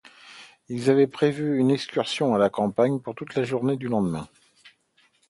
Ils avaient prévu une excursion à la campagne pour toute la journée du lendemain.